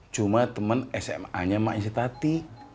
cuma temen sma nya emaknya si tati